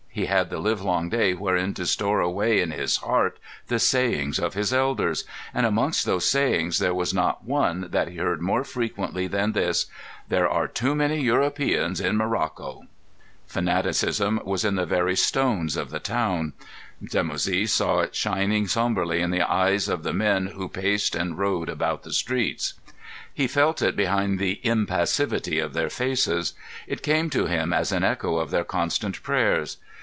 He had the livelong day wherein to store away in his heart the sayings of his elders. And amongst those sayings there was not one that he heard more frequently than this: "There are too many Europeans in Morocco." Fanaticism was in the very stones of the town. Dimoussi saw it shining sombrely in the eyes of the men who paced and rode about the streets; he felt it behind the impassivity of their faces. It came to him as an echo of their constant prayers.